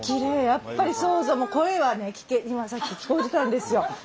やっぱり声はね今さっき聞こえてたんですよ。